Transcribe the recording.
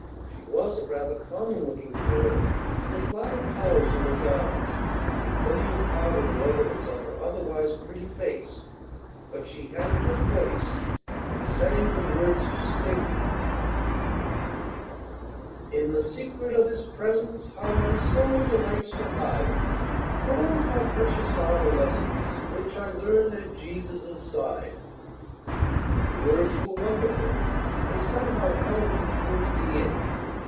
She was a rather common looking girl, with loud colors in her garments and plenty of powder in evidence on her otherwise pretty face; but she had a good voice, and sang the words distinctly. "In the secret of His presence how my soul delights to hide! Oh, how precious are the lessons which I learn at Jesus' side!" The words were wonderful. They somehow held you through to the end.